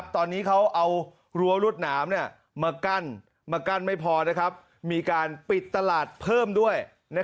ตอนนี้เขาเอารั้วรวดหนามมากั้นมากั้นไม่พอมีการปิดตลาดเพิ่มด้วย